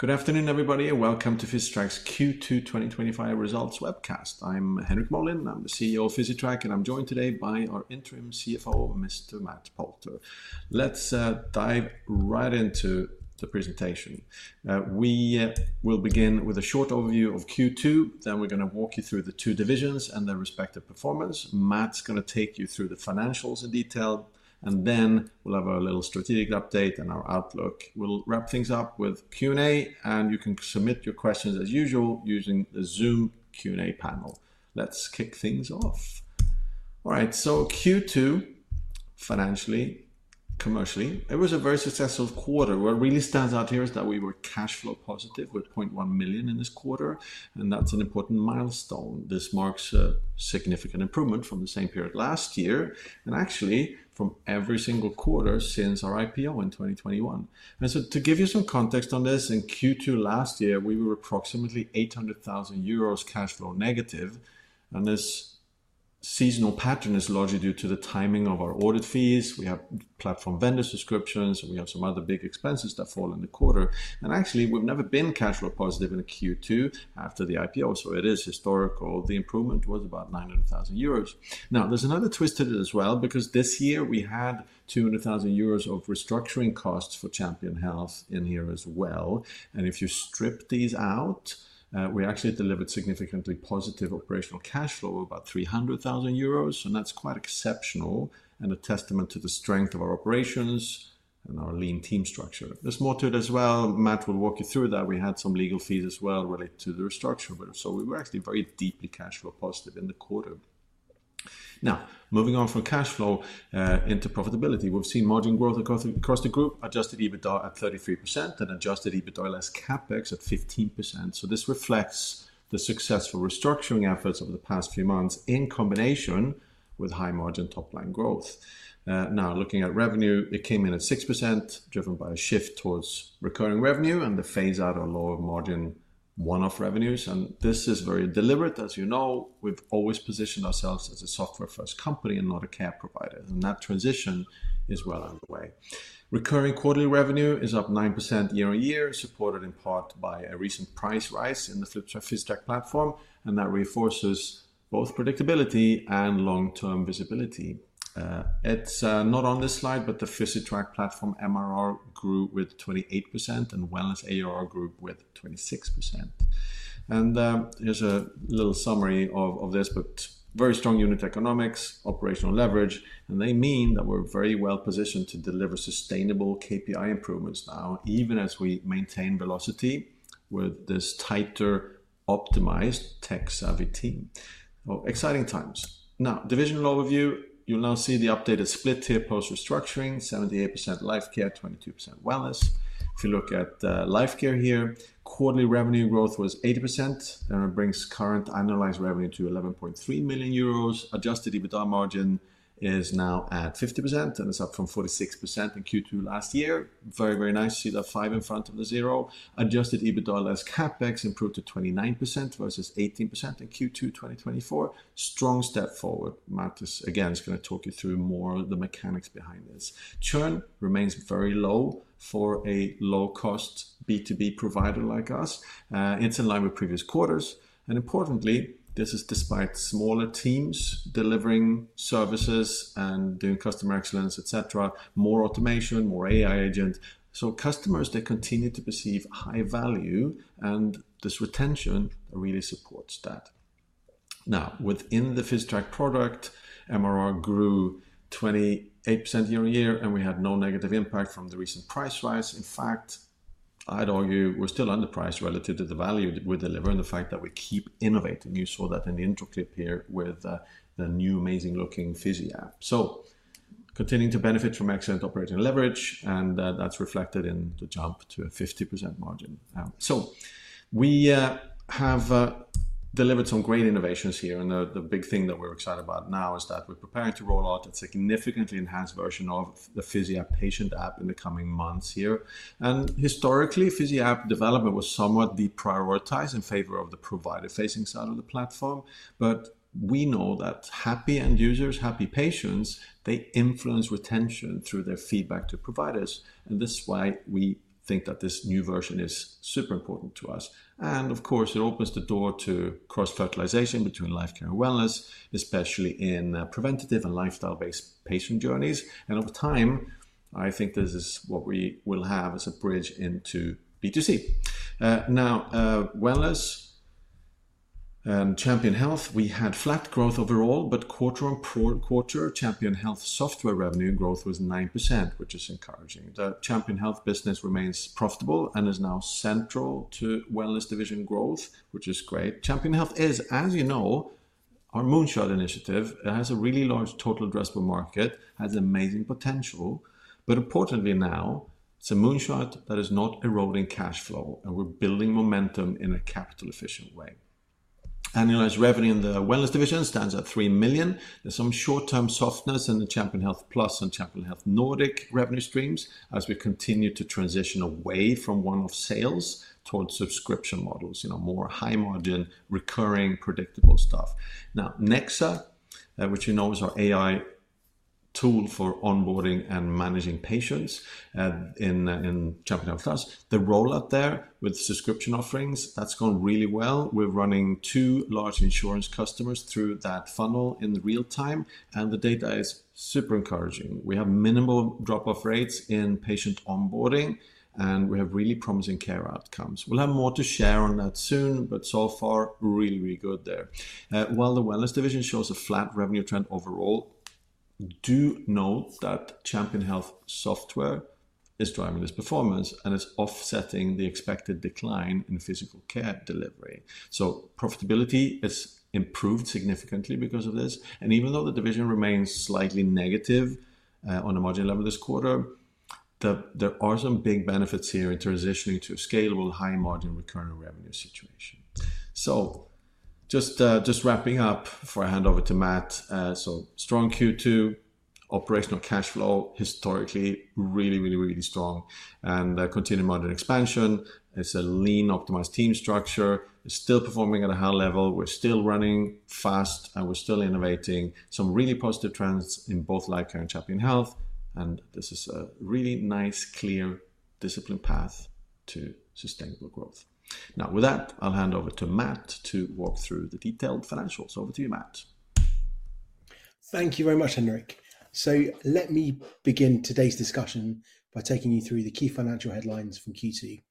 Good afternoon, everybody, and welcome to Physitrack's Q2 2025 Results Webcast. I'm Henrik Molin. I'm the CEO of Physitrack and I'm joined today by our Interim CFO, Mr. Matt Poulter. Let's dive right into the presentation. We will begin with a short overview of Q2, then we're going to walk you through the two divisions and their respective performance. Matt's going to take you through the financials in detail and then we'll have a little strategic update and our outlook. We'll wrap things up with Q and A and you can submit your questions as usual using the Zoom Q and A panel. Let's kick things off. All right, so Q2, financially, commercially, it was a very successful quarter. What really stands out here is that. We were cash flow positive with 0.1 million in this quarter, and that's an important milestone. This marks a significant improvement from the same period last year and actually from every single quarter since our IPO in 2020. To give you some context on this, in Q2 last year we were approximately 800,000 euros cash flow negative. This seasonal pattern is largely due to the timing of our audit fees. We have platform vendor subscriptions, and we have some other big expenses that fall in the quarter. We've never been cash flow positive in Q2 after the IPO, so it is historical. The improvement was about 900,000 euros. There's another twist to it as well, because this year we had 200,000 euros of restructuring costs for Champion Health in here as well. If you strip these out, we actually delivered significantly positive operational cash flow, about 300,000 euros. That's quite exceptional and a testament to the strength of our operations and our lean team structure. There's more to it as well. Matt will walk you through that. We had some legal fees as well related to the restructuring, so we were actually very deeply cash flow positive in the quarter. Now, moving on from cash flow into. Profitability, we've seen margin growth across the group. Adjusted EBITDA at 33% and adjusted EBITDA vs. CapEx at 15%. This reflects the successful restructuring efforts over the past few months in combination with high margin top line growth. Now, looking at revenue, it came in at 6%, driven by a shift towards recurring revenue and the phase out of lower margin one-off revenues. This is very deliberate. As you know, we've always positioned ourselves as a software first company and not a care provider. That transition is well underway. Recurring quarterly revenue is up 9% year-on-year, supported in part by a recent price rise in the Physitrack platform and that reinforces both predictability and long term visibility. It's not on this slide, but the Physitrack platform MRR grew by 28% and Wellness ARR grew by 26%. Here's a little summary of this: very strong unit economics, operational leverage, and they mean that we're very well positioned to deliver sustainable KPI improvements now even as we maintain velocity with this tighter, optimized, tech-savvy team. Exciting times now. Divisional overview. You'll now see the updated split here post restructuring: 78% Lifecare, 22% Wellness. If you look at Lifecare here, quarterly revenue growth was 80% and it brings current annualized revenue to 11.3 million euros. Adjusted EBITDA margin is now at 50% and it's up from 46% in Q2 last year. Very, very nice to see the five in front of the zero. Adjusted EBITDA less CapEx improved to 29% versus 18% in Q2 2024. Strong step forward. Matt is again going to talk you through more. The mechanics behind this churn remains very low for a low cost B2B provider like us. It's in line with previous quarters, and importantly, this is despite smaller teams delivering. Services and doing customer excellence, etc. More automation, more AI agent. Customers continue to perceive high value and this retention really supports that. Now within the Physitrack platform, MRR grew 28% year-on-year and we had no negative impact from the recent price rise. In fact, I'd argue we're still underpriced relative to the value that we deliver and the fact that we keep innovating. You saw that in the intro clip. Here with the new amazing looking PhysiApp. Continuing to benefit from excellent operating leverage, and that's reflected in the jump to a 50% margin. We have delivered some great innovations here, and the big thing that we're excited about now is that we're preparing to roll out a significantly enhanced version of the PhysiApp patient app in the coming months. Historically, PhysiApp development was somewhat deprioritized in favor of the provider-facing side of the platform. We know that happy end users, happy patients, influence retention through their feedback to providers, and this is why we think that this new version is super important to us. It opens the door to cross-fertilization between Lifecare and Wellness, especially in preventative and lifestyle-based patient journeys. Over time I think this is what we will have as a bridge into B2C. Now Wellness and Champion Health we had. Flat growth overall, quarter-on-quarter Champion Health software revenue growth was 9%, which is encouraging. The Champion Health business remains profitable and is now central to Wellness division growth, which is great. Champion Health is, as you know, our moonshot initiative. It has a really large total addressable market, has amazing potential, but importantly now it's a moonshot that is not eroding cash flow, and we're building momentum in a capital efficient way. Annualized revenue in the Wellness division stands at 3 million. There's some short-term softness in the Champion Health Plus and Champion Health Nordic revenue streams as we continue to transition away from one-off sales towards subscription models, you know, more high-margin, recurring, predictable stuff. Now Nexa, which you know is our AI tool for onboarding and managing patients in capital, the rollout there with subscription offerings, that's gone really well. We're running two large insurance customers through that funnel in real time, and the data is super encouraging. We have minimal drop-off rates in patient onboarding, and we have really promising care outcomes. We'll have more to share on that soon, but so far really, really good there. While the Wellness division shows a flat revenue trend overall, do note that Champion Health software is driving this performance and is offsetting the expected decline in physical care delivery. Profitability is improved significantly because of this. Even though the division remains slightly negative on a margin level this quarter, there are some big benefits here in transitioning to a scalable, high-margin, recurring revenue situation. Just wrapping up before I hand over to Matt. Strong Q2 operational cash flow historically, really, really, really strong, and continued margin expansion. It's a lean, optimized team structure, still performing at a high level. We're still running fast, and we're still innovating some really positive trends in both Lifecare and Champion Health. This is a really nice, clear, disciplined path to sustainable growth. Now with that, I'll hand over to Matt to walk through the detailed financials. Over to you, Matt. Thank you very much, Henrik. Let me begin today's discussion by taking you through the key financial headlines from Q2,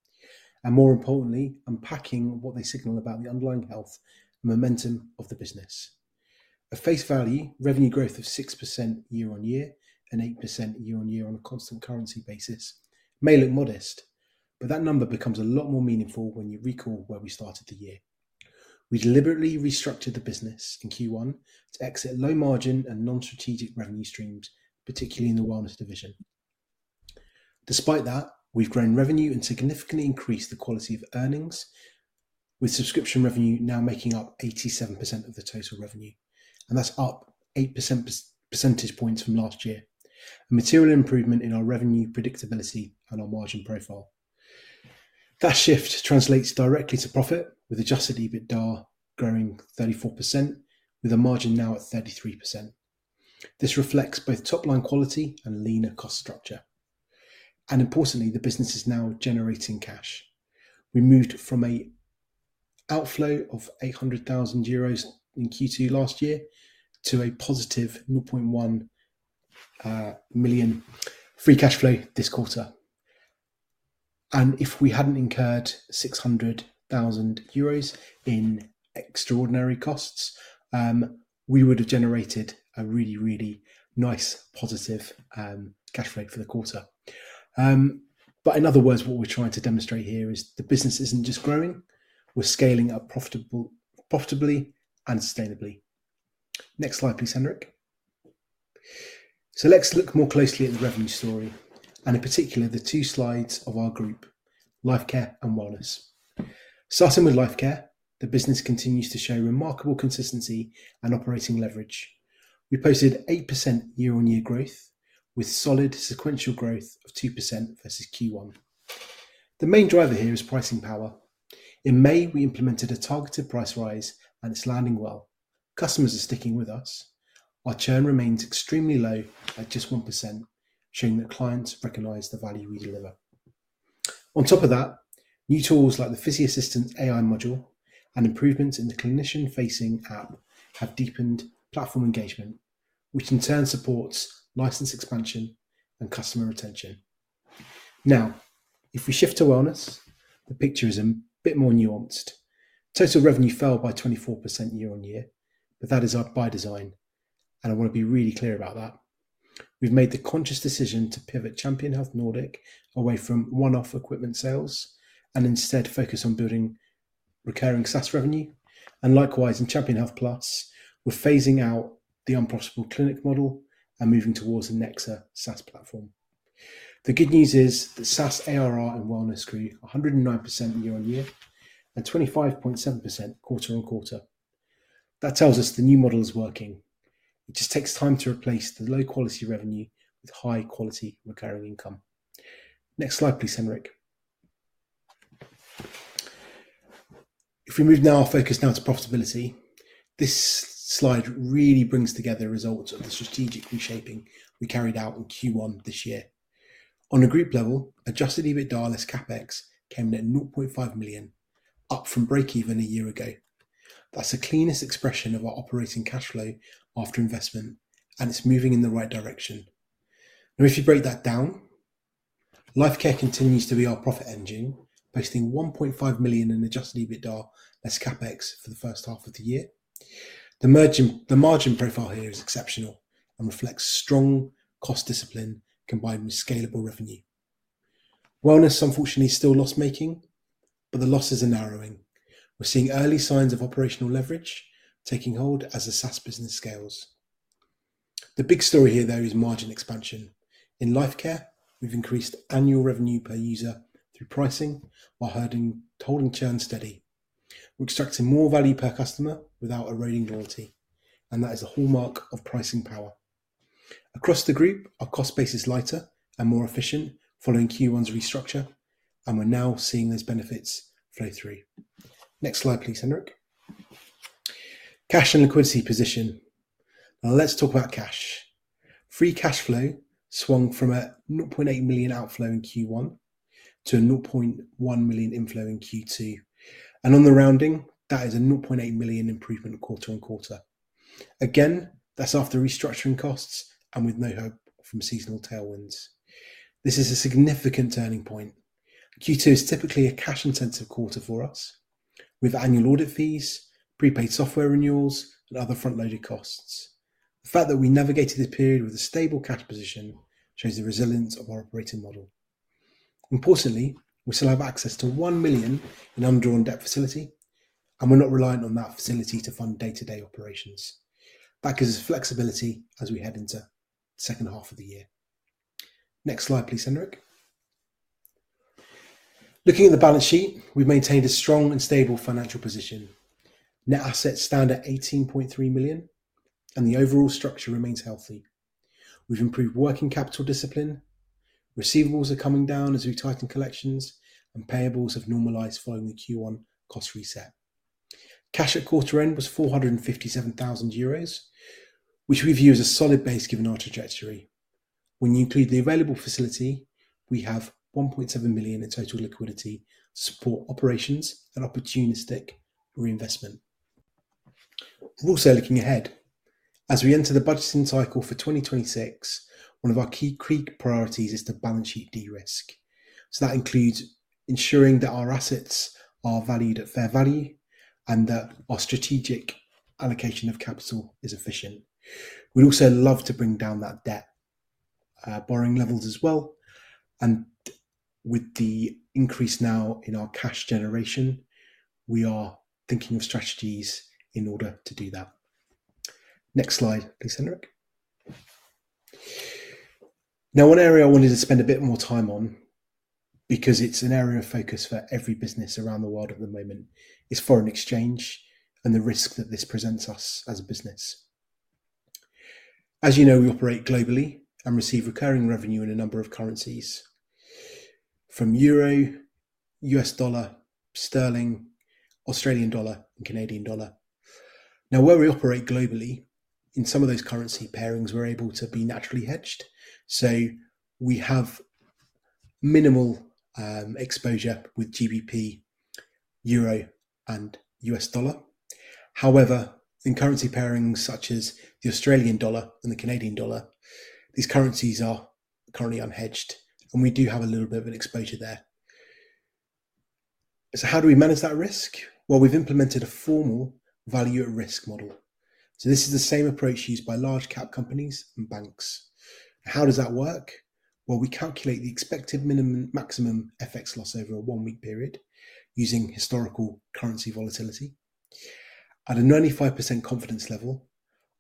and more importantly, unpacking what they signal about the underlying health momentum of the business. At face value, revenue growth of 6% year-on-year and 8% year-on-year on a constant currency basis. Look modest, but that number becomes a lot more meaningful when you recall where we started the year. We deliberately restructured the business in Q1 to exit low margin and non-strategic revenue streams, particularly in the Wellness division. Despite that, we've grown revenue and significantly increased the quality of earnings. With subscription revenue now making up 87% of the total revenue, that's up 8 percentage points from last year. Material improvement in our revenue predictability and our margin profile. That shift translates directly to profit, with adjusted EBITDA growing 34% with a margin now at 33%. This reflects both top line quality and leaner cost structure. Importantly, the business is now generating cash. We moved from an outflow of 800,000 euros in Q2 last year to a positive 0.1 million free cash flow this quarter. If we hadn't incurred 600,000 euros in extraordinary costs, we would have generated a really, really nice positive cash flow for the quarter. In other words, what we're trying to demonstrate here is the business isn't just growing, we're scaling up profitably and sustainably. Next slide please, Henrik. Let's look more closely at the revenue story and in particular the two sides of our group, Lifecare and Wellness. Starting with Lifecare, the business continues to show remarkable consistency and operating leverage. We posted 8% year-on-year growth with solid sequential growth of 2% versus Q1. The main driver here is pricing power. In May, we implemented a targeted price rise and it's landing well. Customers are sticking with us. Our churn remains extremely low at just 1%, showing that clients recognize the value we deliver. On top of that, new tools like the PhysiAssistant AI module and improvements in the clinician-facing app have deepened platform engagement, which in turn supports license expansion and customer retention. If we shift to Wellness, the picture is a bit more nuanced. Total revenue fell by 24% year-on-year. That is by design and I want to be really clear about that. We've made the conscious decision to pivot Champion Health Nordic away from one-off equipment sales and instead focus on building recurring SaaS revenue. Likewise, in Champion Health Plus, we're phasing out the unprocessable clinic model and moving towards the Nexa SaaS platform. The good news is the SaaS ARR in Wellness grew 109% year-on-year and 25.7% quarter-on-quarter. That tells us the new model is working. It just takes time to replace the low quality revenue with high quality recurring income. Next slide please, Henrik. If we move our focus now to profitability, this slide really brings together results of the strategic reshaping we carried out in Q1 this year. On a group level, adjusted EBITDA and CapEx came near 0.5 million, up from break even a year ago. That's the cleanest expression of our operating cash flow after investment, and it's moving in the right direction now. If you break that down, Lifecare continues to be our profit engine, posting 1.5 million in adjusted EBITDA and CapEx for the first half of the year. The margin profile here is exceptional and reflects strong cost discipline combined with scalable revenue in Wellness. Unfortunately, still loss making, but the losses are narrowing. We're seeing early signs of operational leverage taking hold as the SaaS business scales. The big story here though is margin expansion in Lifecare. We've increased annual revenue per user through pricing while holding churn steady. We're extracting more value per customer without eroding warranty, and that is a hallmark of pricing power across the group. Our cost base is lighter and more efficient following Q1's restructure, and we're now seeing those benefits flow through. Next slide please, Henrik. Cash and liquidity position. Let's talk about cash. Free cash flow swung from a 0.8 million outflow in Q1 to a 0.1 million inflow in Q2. On the rounding, that is a 0.8 million improvement quarter-on-quarter. Again, that's after restructuring costs and with no help from seasonal tailwinds. This is a significant turning point. Q2 is typically a cash intensive quarter for us with annual audit fees, prepaid software renewals, and other front loaded costs. The fact that we navigated this period with a stable cash position shows the resilience of our operating model. Importantly, we still have access to 1 million in undrawn debt facility, and we're not reliant on that facility to fund day to day operations. That gives us flexibility as we head into the second half of the year. Next slide please, Henrik. Looking at the balance sheet, we've maintained a strong and stable financial position. Net assets stand at 18.3 million, and the overall structure remains healthy. We've improved working capital discipline. Receivables are coming down as we tighten collections, and payables have normalized following the Q1 cost reset. Cash at quarter end was 457,000 euros, which we view as a solid base given our trajectory. When you include the available facility, we have 1.7 million in total liquidity to support operations and opportunistic reinvestment. We're also looking ahead as we enter the budgeting cycle. For 2026, one of our key priorities is the balance sheet de-risk. That includes ensuring that our assets are valued at fair value and that our strategic allocation of capital is efficient. We'd also love to bring down debt borrowing levels as well. With the increase now in our cash generation, we are thinking of strategies. In order to do that, next slide please, Henrik. Now, one area I wanted to spend. A bit more time on because it's an area of focus for every business around the world at the moment. Foreign exchange and the risk that this presents us as a business. As you know, we operate globally and receive recurring revenue in a number of currencies from Euro, U.S. dollar, Sterling, Australian dollar, and Canadian dollar. Now, where we operate globally in some of those currency pairings, we're able to be naturally hedged, so we have minimal exposure with GBP, Euro, and U.S. dollar. However, in currency pairings such as the Australian dollar and the Canadian dollar, these currencies are currently unhedged and we do have a little bit of an exposure there. How do we manage that risk? We've implemented a formal value at risk model. This is the same approach used by large cap companies and banks. How does that work? We calculate the expected minimum maximum. FX loss over a one-week period. Using historical currency volatility at a 95% confidence level,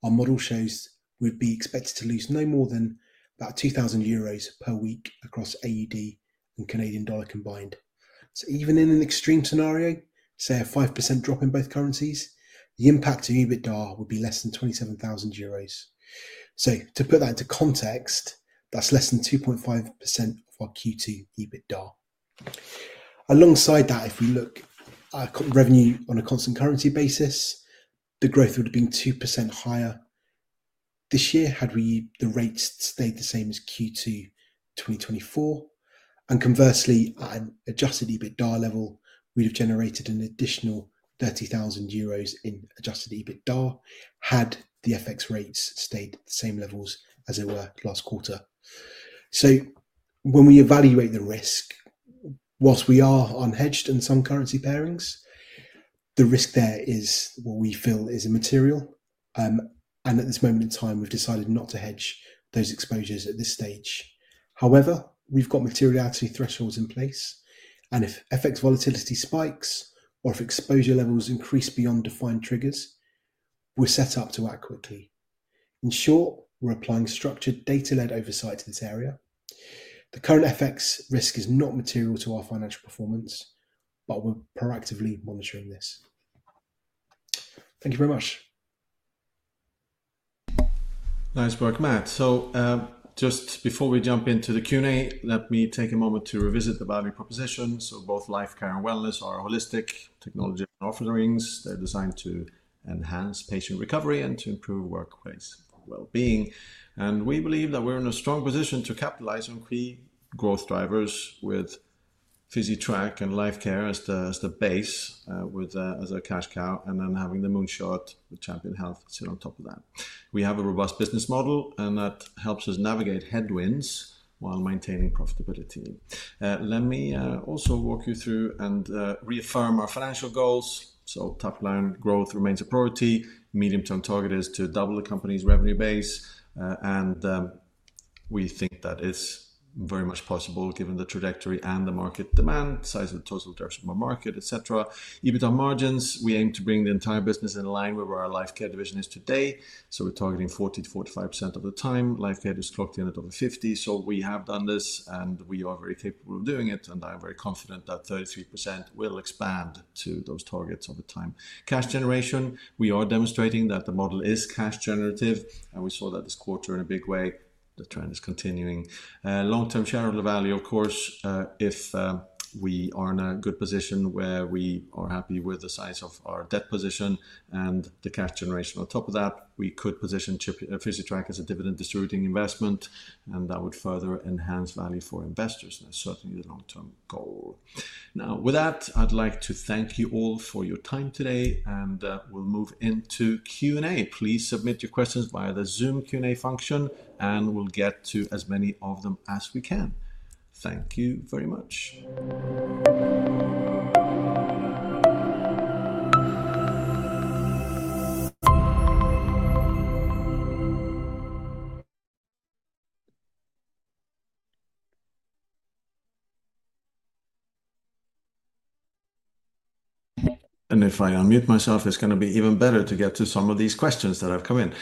our model shows we'd be expected to lose no more than about 2,000 euros per week across AUD and Canadian dollar combined. Even in an extreme scenario, say a 5% drop in both currencies, the impact on EBITDA would be less than 27,000 euros. To put that into context, that's less than 2.5% of our Q2 EBITDA. Alongside that, if you look at revenue on a constant currency basis, the growth would have been 2% higher this year had the rates stayed the same as Q2 2024, and conversely at the adjusted EBITDA level, we'd have generated an additional 30,000 euros in adjusted EBITDA had the FX rates stayed the same levels as they were last quarter. When we evaluate the risk, whilst we are unhedged in some currency pairings, the risk there is what we feel is immaterial, and at this moment in time we've decided not to hedge those exposures at this stage. However, we've got materiality thresholds in place, and if FX volatility spikes or if exposure levels increase beyond defined triggers, we're set up to act accurately. In short, we're applying structured data-led. Oversight to this area, the current FX risk is not material to our financial performance, but we're proactively monitoring this. Thank you very much. Nice work, Matt. Just before we jump into the Q and A, let me take a moment to revisit the value proposition. Both Lifecare and Wellness are holistic technology offerings. They're designed to enhance patient recovery and to improve workplace well-being. We believe that we're in a strong position to capitalize on key growth drivers, with Physitrack and Lifecare as the base as a cash cow and then having the moonshot with Champion Health sit on top of that, we have a robust business model, and that helps us navigate headwinds while maintaining profitability. Let me also walk you through reaffirm our financial goals. Top line growth remains a priority. Medium-term target is to double the company's revenue base, and we think that is very much possible, given the trajectory. The market demand, size of the total duration of market, EBITDA margins. We aim to bring the entire business in line with where our Lifecare division is today. We're targeting 40%-45% of the time. Lifecare is clocked in at over 50%. We have done this and we are very capable of doing it. I'm very confident that 33% will expand to those targets over time. Cash generation, we are demonstrating that the model is cash generative and we saw that this quarter in a big way. The trend is continuing. Long-term shareholder value, of course, if we are in a good position where we are happy with the size of our debt position and the cash generation on top of that, we could position Physitrack as a dividend-distributing investment and that would further enhance value for investors. That's certainly the long term goal. Now with that, I'd like to thank you all for your time today and we'll move into Q and A. Please submit your questions via the Zoom Q and A function and we'll get to as many of them as we can. Thank you very much. If I unmute myself, it's going to be even better to get to some of these questions that have come in.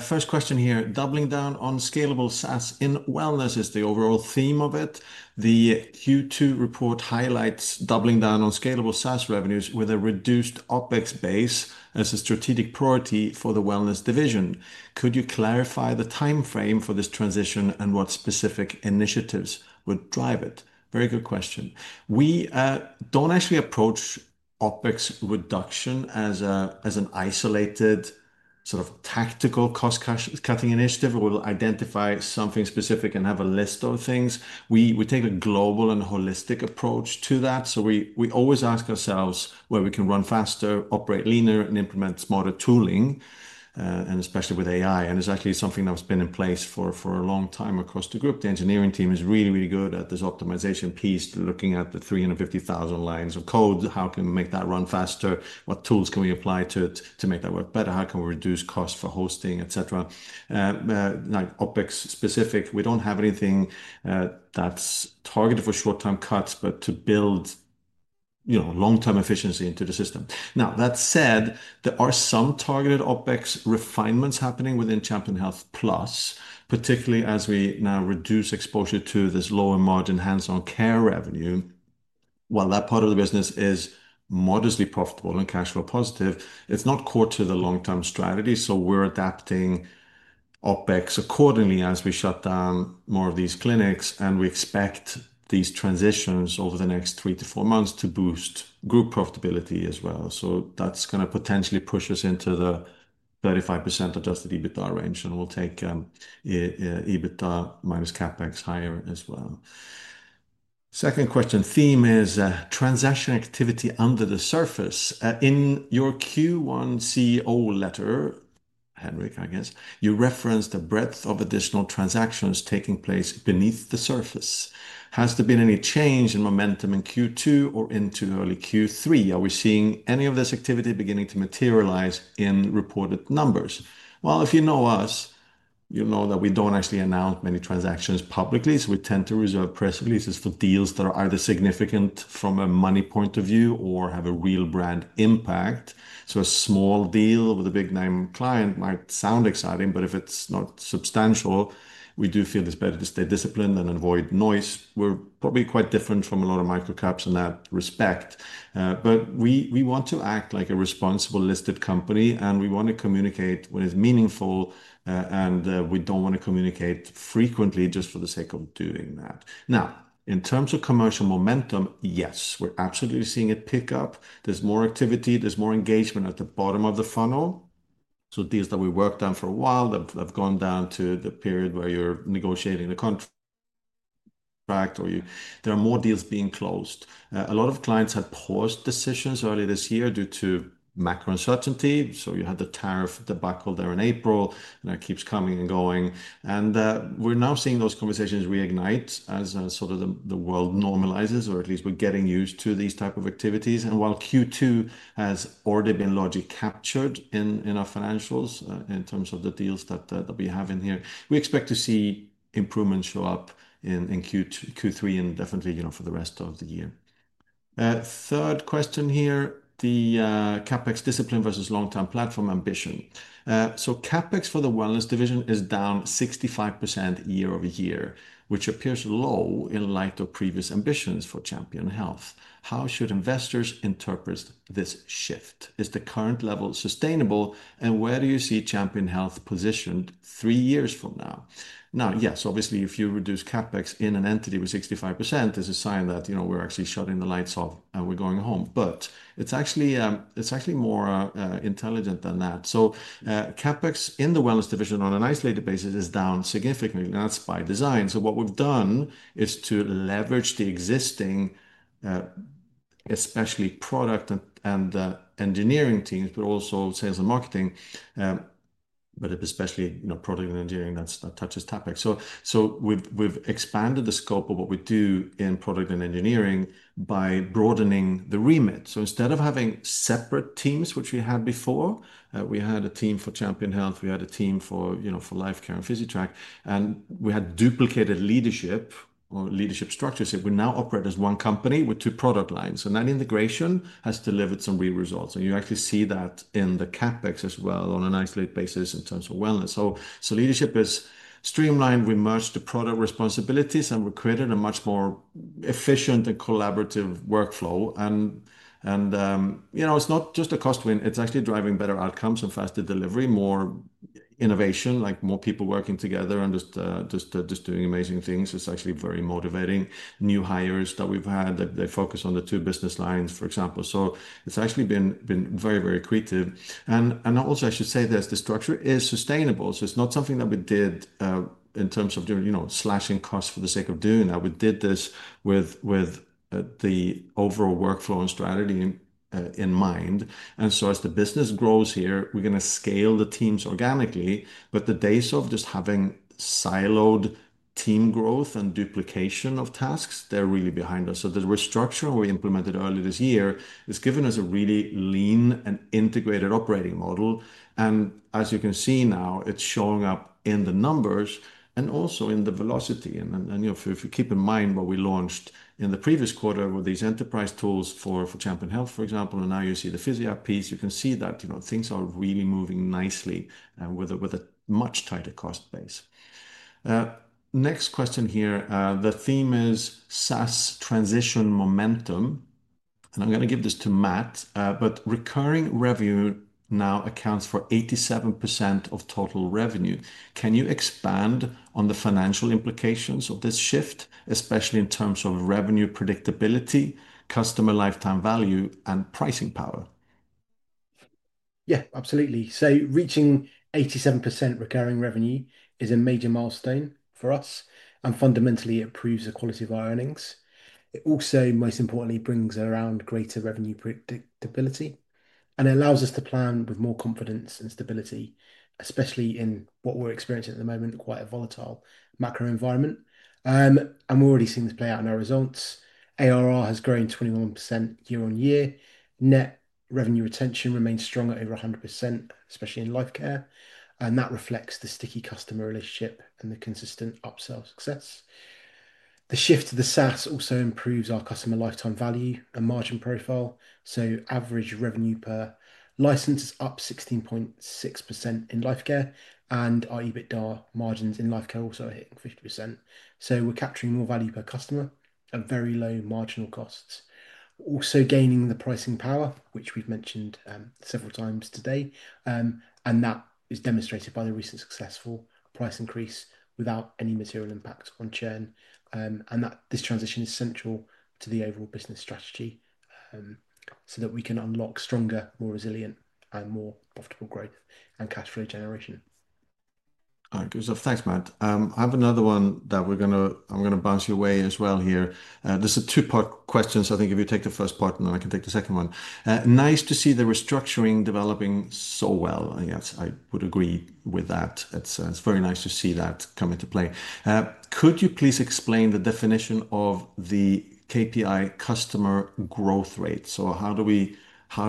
First question here. Doubling down on scalable SaaS in Wellness is the overall theme of it. The Q2 report highlights doubling down on scalable SaaS revenues with a reduced OpEx base as a strategic priority for the Wellness division. Could you clarify the timeframe for this transition and what specific initiatives would drive it? Very good question. We don't actually approach OpEx reduction as an isolated sort of tactical cost-cutting initiative. We'll identify something specific and have a list of things. We take a global and holistic approach to that. We always ask ourselves where we can run faster, operate leaner, and implement smarter tooling, especially with AI. It's actually something that's been in place for a long time across the group. The engineering team is really, really good at this optimization piece. Looking at the 350,000 lines of code, how can we make that run faster? What tools can we apply to it to make that work better? How can we reduce cost for hosting, etc.? OpEx-specific, we don't have anything that's targeted for short-term cuts, but to build long-term efficiency into the system. Now, that said, there are some targeted OpEx refinements happening within Champion Health, particularly as we now reduce exposure to this lower margin hands-on care revenue. While that part of the business is modestly profitable and cash flow positive, it's not core to the long-term strategy. We are adapting OpEx accordingly as we shut down more of these clinics, and we expect these transitions over the next three to four months to boost group profitability as well. That is going to potentially push us into the 35% adjusted EBITDA range, and we'll take EBITDA minus CapEx higher as well. Second question theme is transaction activity under the surface? In your Q1 CEO letter, Henrik, I guess you referenced the breadth of additional transactions taking place beneath the surface. Has there been any change in momentum in Q2 or into early Q3? Are we seeing any of this activity beginning to materialize in reported numbers? If you know us, you'll know that we don't actually announce many transactions publicly. We tend to reserve press releases for deals that are either significant from a money point of view or have a real brand impact. A small deal with a big name client might sound exciting, but if not substantial, we do feel it's better to stay disciplined and avoid noise. We're probably quite different from a lot of microcaps in that respect, but we want to act like a responsible listed company and we want to communicate what is meaningful and we don't want to communicate frequently just for the sake of doing that. Now in terms of commercial momentum, yes, we're absolutely seeing it pick up. There's more activity, there's more engagement at the bottom of the funnel. Deals that we worked on for a while have gone down to the period where you're negotiating the contract or there are more deals being closed. A lot of clients had paused decisions earlier this year due to macro uncertainty. You have the tariff debacle there in April that keeps coming and going and we're now seeing those conversations reignite as the world normalizes or at least we're getting used to these type of activities. While Q2 has already been largely captured in our financials, in terms of the deals that we have in here, we expect to see improvements show up in Q3 and definitely for the rest of the year. Third question here. The CapEx discipline versus long-term platform ambition. CapEx for the Wellness division is down 65% year-over-year, which appears low in light of previous ambitions for Champion Health. How should investors interpret this shift? Is the current level sustainable, and where do you see Champion Health positioned three years from now? Now, yes, obviously if you reduce CapEx in an entity with 65% it's a sign that, you know, we're actually shutting the lights off and we're going home. It's actually more intelligent than that. CapEx in the Wellness division on an isolated basis is down. Significantly that's by design. What we've done is to leverage the existing especially product and engineering teams, but also sales and marketing, but especially product and engineering that touches topic. We've expanded the scope of what we do in product and engineering by broadening the remit. Instead of having separate teams, which we had before, we had a team for Champion Health, we had a team for Lifecare and Physitrack, and we had duplicated leadership or leadership structures. We now operate as one company with two product lines. That integration has delivered some real results. You actually see that in the CapEx as well on an isolated basis. In terms of Wellness, leadership is streamlined. We merged the product responsibilities and created a much more efficient and collaborative workflow. It's not just a cost win, it's actually driving better outcomes and faster delivery, more innovation, like more people working together and just doing amazing things. It's actually very motivating. New hires that we've had focus on the two business lines, for example. It's actually been very, very accretive. I should say this, the structure is sustainable. It's not something that we did in terms of slashing costs for the sake of doing that. We did this with the overall workflow and strategy in mind. As the business grows here we're going to scale the teams organically, but the days of just having siloed team growth and duplication of tasks are really behind us. The restructuring we implemented earlier this year has given us a really lean and integrated operating model. As you can see now, it's showing up in the numbers and also in the velocity. If you keep in mind what we launched in the previous quarter with these enterprise tools for Champion Health, for example, and now you see the Physitrack piece, you can see that things are really moving nicely with a much tighter cost base. Next question here. The theme is SaaS transition momentum and I'm going to give this to Matt, but recurring revenue now accounts for 87% of total revenue. Can you expand on the financial implications of this shift, especially in terms of revenue predictability, customer lifetime value, and pricing power? Absolutely. Reaching 87% recurring revenue is a major milestone for us and fundamentally it improves the quality of our earnings. It also, most importantly, brings around greater revenue, predictability, stability, and it allows us to plan with more confidence and stability, especially in what we're experiencing at the moment, quite a volatile macro environment. We're already seeing this play out in our results. ARR has grown 21% year-on-year. Net revenue retention remains strong at over 100%, especially in Lifecare, and that reflects the sticky customer relationship and the consistent upsell success. The shift to the SaaS also improves our customer lifetime value and margin profile. Average revenue per life license is up 16.6% in Lifecare, and our EBITDA margins in Lifecare also are hitting 50%. We're capturing more value per customer and very low marginal costs, also gaining the pricing power which we've mentioned several times today, and that is demonstrated by the recent successful price increase without any material impact on churn. This transition is central to the overall business strategy so that we can unlock stronger, more resilient, and more profitable growth and cash flow generation. (All right, Gustav.) Thanks, Matt. I have another one that I'm going. To bounce your way as well here. This is a two part question. I think if you take the first part, then I can take the second one. Nice to see the restructuring developing so well. Yes, I would agree with that. It's very nice to see that come into play. Could you please explain the definition of the KPI customer growth rate? How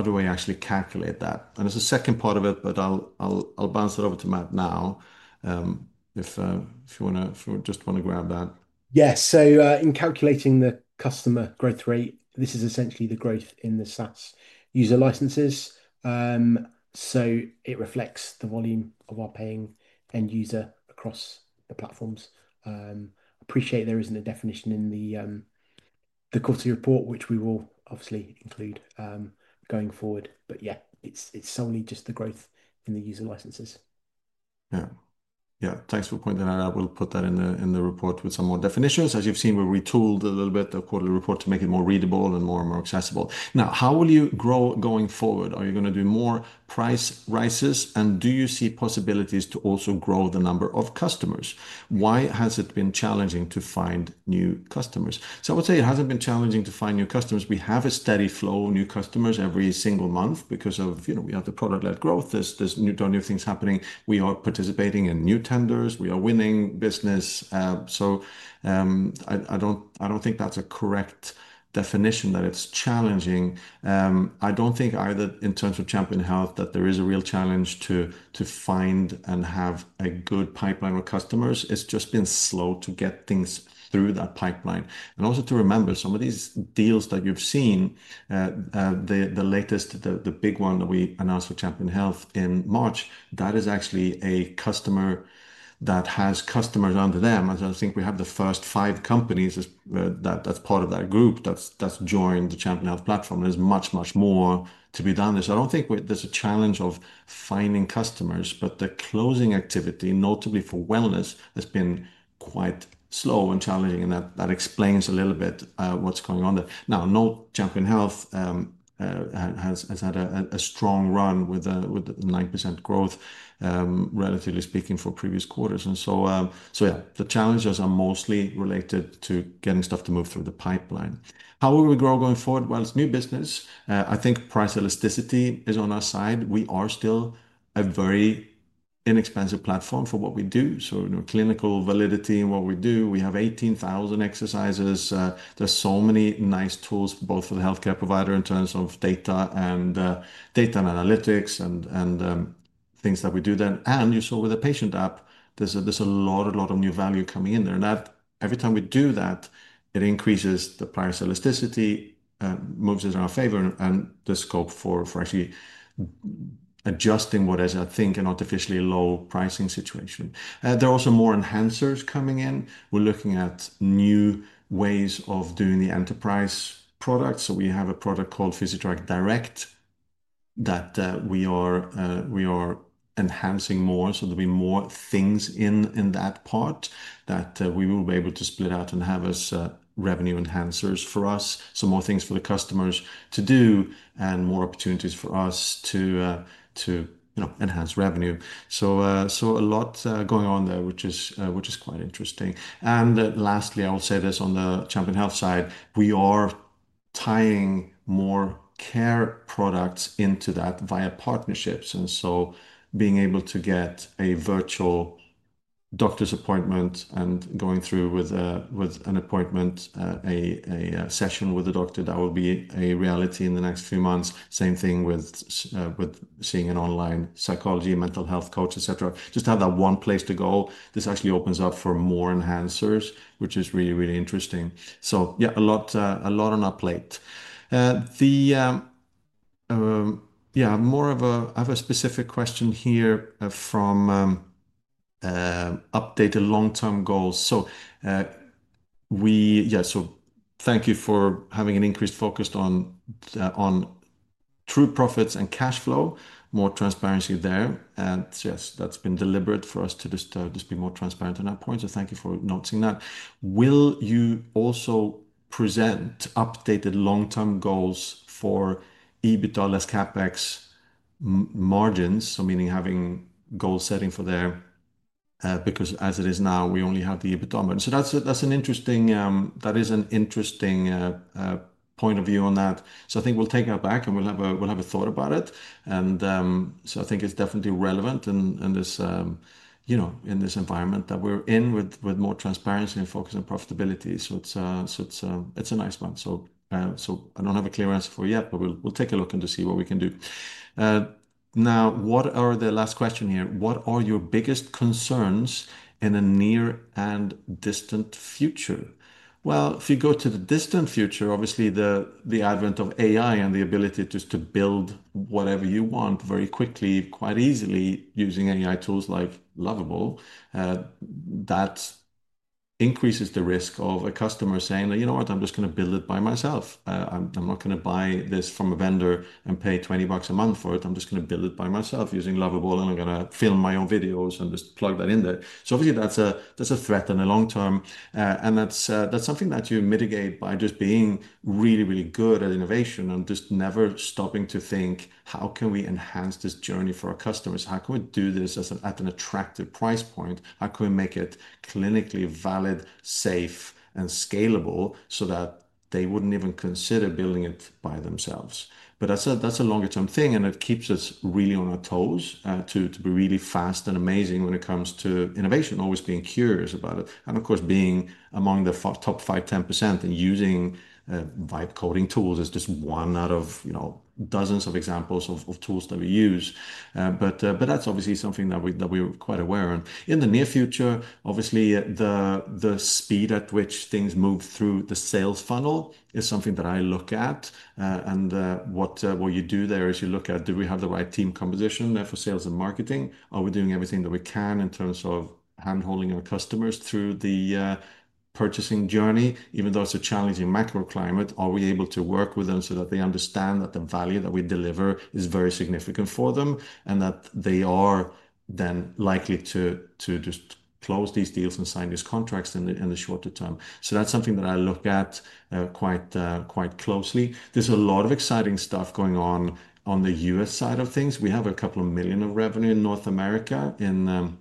do we actually calculate that? It's the second part of it, but I'll bounce it over to Matt now if you just want to grab that. Yes. In calculating the customer growth rate, this is essentially the growth in the SaaS user licenses. It reflects the volume of our paying end user across the platforms. Appreciate there isn't a definition in the quality report, which we will obviously include going forward, but yeah, it's solely just the growth in the user licenses. Yeah, thanks for pointing out. I will put that in the report with some more definitions. As you've seen, we retooled a little bit the quarterly report to make it more readable and more and more accessible. Now, how will you grow going forward? Are you going to do more price rises and do you see possibilities to also grow the number of customers? Why has it been challenging to find new customers? I would say it hasn't been challenging to find new customers. We have a steady flow of new customers every single month because, you know, we have the product-led growth. There's this new things happening. We are participating in new tenders, we are winning business. I don't think that's a correct definition that it's challenging. I don't think either in terms of Champion Health that there is a real challenge to find and have a good pipeline of customers. It's just been slow to get things through that pipeline. Also, remember some of these deals that you've seen. The latest, the big one that we announced for Champion Health in March, that is actually a customer that has customers under them, as I think we have the first five companies that's part of that group that's joined the Champion Health platform. There's much, much more to be done there. I don't think there's a challenge of finding customers, but the closing activity, notably Wellness, has been quite slow and challenging. That explains a little bit what's going on there now. Champion Health has had a strong run with 9% growth, relatively speaking, for previous quarters. The challenges are mostly related to getting stuff to move through the pipeline. How will we grow going forward? It's new business. I think price elasticity is on our side. We are still a very inexpensive platform for what we do. Clinical validity in what we do. We have 18,000 exercises. There's so many nice tools both for the healthcare provider in terms of data and analytics and things that we do then. You saw with the Patient app, there's a lot of new value coming in there. Every time we do that, it increases. The price elasticity moves us in our favor and the scope for actually adjusting what is, I think, an artificially low pricing situation. There are also more enhancers coming in. We're looking at new ways of doing the enterprise products. We have a product called Physitrack Direct that we are enhancing more. There'll be more things in that part that we will be able to split out and have as revenue enhancers for us. More things for the customers to do and more opportunities for us to enhance revenue. A lot going on there which is quite interesting. Lastly, I'll say this on the Champion Health side, we are tying more care products into that via partnerships and being able to get a virtual doctor's appointment and going through with an appointment, a session with the doctor, that will be a reality in the next few months. Same thing with seeing an online psychology, mental health coach, etc. Just have that one place to go. This actually opens up for more enhancers which is really, really interesting. A lot on our plate. I have a specific question here from updated long-term goals. Thank you for having an increased focus on true profits and cash flow. More transparency there and yes, that's been deliberate for us to just be more transparent on that point. Thank you for noticing that. Will you also present updated long term goals for EBITDA, less CapEx margins, meaning having goal setting for there because as it is now we only have the EBITDA. That is an interesting point of view on that. I think we'll take that back and we'll have a thought about it. I think it's definitely relevant in this environment that we're in with more transparency and focus on profitability. It's a nice one. I don't have a clear answer for yet but we'll take a look and see what we can do. Now, the last question here, what are your biggest concerns in a near and distant future? If you go to the distant future, obviously the advent of AI and the ability just to build whatever you want very quickly, quite easily using AI tools like Lovable, that increases the risk of a customer saying, you know what, I'm just going to build it by myself. I'm not going to buy this from a vendor and pay $20 a month for it. I'm just going to build it by myself using Lovable and I'm going to film my own videos and just plug that in there. Obviously that's a threat in the long-term. That's something that you mitigate by just being really, really good at innovation and just never stopping to think, how can we enhance this journey for our customers? How can we do this at an attractive price point? How can we make it clinically valid, safe, and scalable so that they wouldn't even consider building it by themselves? That's a longer term thing and it keeps us really on our toes to be really fast and amazing when it comes to innovation, always being curious about it. Of course, being among the top 5%, 10% and using vibe coding tools is just one out of dozens of examples of tools that we use. That's obviously something that we are quite aware of. In the near future, obviously the speed at which things move through the sales funnel is something that I look at. What you do there is you look at, do we have the right team composition, therefore sales and marketing? Are we doing everything that we can in terms of handholding our customers through the purchasing journey? Even though it's a challenging macro climate, are we able to work with them so that they understand that the value that we deliver is very significant for them and that they are then likely to just close these deals and sign these contracts in the shorter term? That's something that I look at quite closely. There's a lot of exciting stuff going on on the U.S. side of things. We have a couple of million of revenue in North America in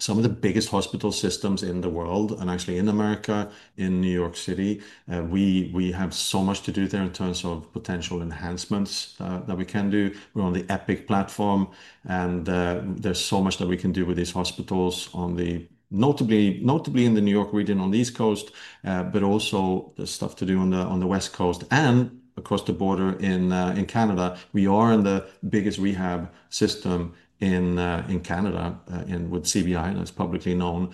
some of the biggest hospital systems in the world. Actually, in America in New York City, we have so much to do there in terms of potential enhancements that we can do. We're on the Epic platform and there's so much that we can do with these hospitals, notably in the New York region on the East Coast, but also stuff to do on the West Coast and across the border in Canada. We are in the biggest rehab system in Canada with CBI, that's publicly known.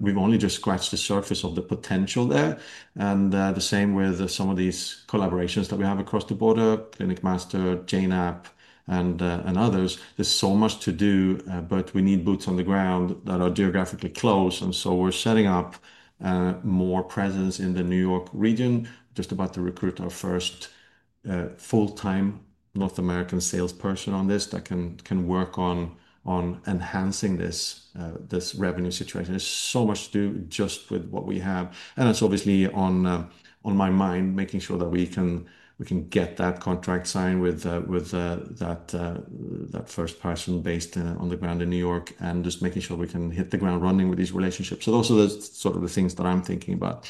We've only just scratched the surface of the potential there. The same with some of these collaborations that we have across the border, ClinicMaster, Jane App, and others. There's so much to do, but we need boots on the ground that are geographically close. We're setting up more presence in the New York region, just about to recruit our first full-time North American salesperson on this that can work on enhancing this revenue situation. There's so much to do just with what we have and that's obviously on my mind, making sure that we can get that contract signed with that first person based on the ground in New York and just making sure we can hit the ground running with these relationships. Those are the things that I'm thinking about.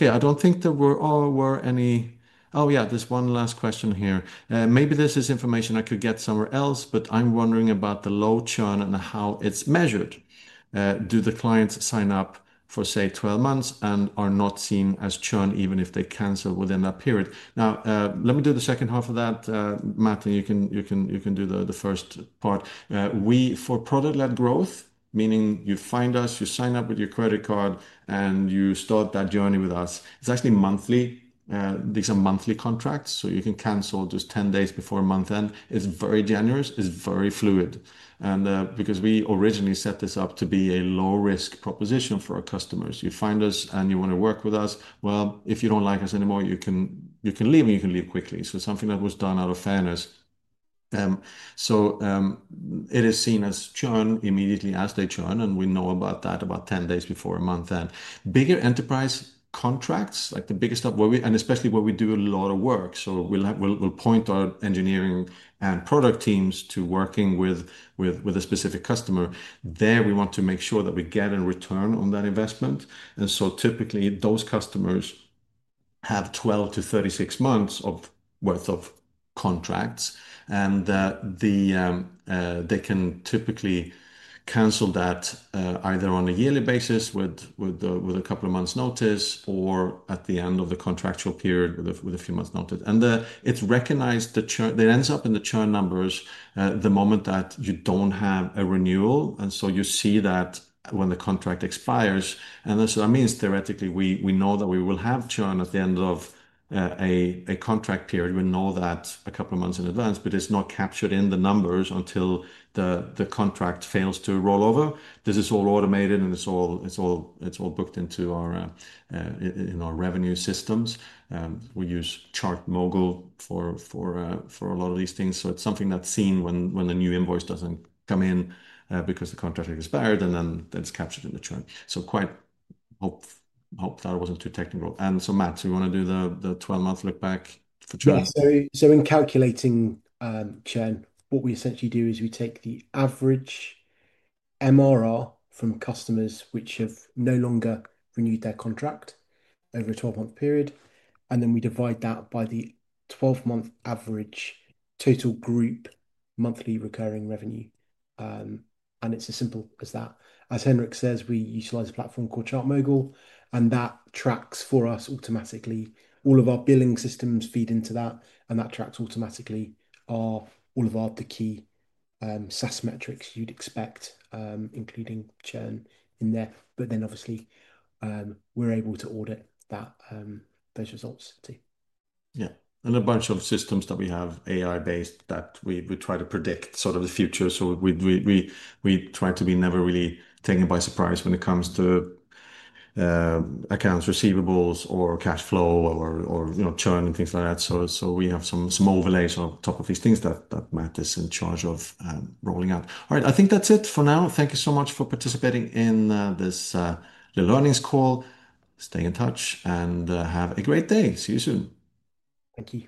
I don't think there were any—oh yeah, there's one last question here. Maybe this is information I could get somewhere else, but I'm wondering about the low churn and how it's measured. Do the clients sign up for, say, 12 months and are not seen as churn even if they cancel within that period? Let me do the second half of that, Matt, and you can do the first part for product-led growth, meaning you find us, you sign up with your credit card, and you start that journey with us. It's actually monthly. These are monthly contracts. You can cancel just 10 days before a month end. It's very generous, it's very fluid. Because we originally set this up to be a low risk proposition for our customers, you find us and you want to work with us. If you don't like us anymore, you can leave and you can leave quickly. Something that was done out of fairness. It is seen as churn immediately as they churn, and we know about that about 10 days before a month end. Bigger enterprise contracts, like the biggest stuff where we, and especially where we do a lot of work, we'll point our engineering and product teams to working with a specific customer there. We want to make sure that we get a return on that investment. Typically, those customers have 12 to 36 months worth of contracts and they can typically cancel that either on a yearly basis with a couple of months notice or at the end of the contractual period with a few months notice. It's recognized, it ends up in the churn numbers the moment that you don't have a renewal. You see that when the contract expires. That means theoretically we know that we will have churn at the end of a contract period. We know that a couple of months in advance, but it's not captured in the numbers until the contract fails to roll over. This is all automated and it's all booked into our revenue systems. We use ChartMogul for a lot of these things. It's something that's seen when the new invoice doesn't come in because the contract expired and then it's captured in the churn. Hope that wasn't too technical. Matt, do you want to do the 12-month look back? So in calculating churn, what we essentially do is we take MRR from customers which have no longer renewed their contract over a 12-month period, and then we divide that by the 12-month average total group monthly recurring revenue. It's as simple as that. As Henrik says, we utilize a platform called ChartMogul, and that tracks for us automatically. All of our billing systems feed into that, and that tracks automatically all of the key SaaS metrics you'd expect, including churn in there. Obviously, we're able to audit those results too. Yeah, and a bunch of systems that we have, AI-based, that we try to predict sort of the future. We try to be never really taken by surprise when it comes to accounts receivables or cash flow or churn and things like that. We have some overlays on top of these things that Matt is in charge of rolling out. All right, I think that's it for now. Thank you so much for participating in this learnings call. Stay in touch and have a great day. See you soon. Thank you.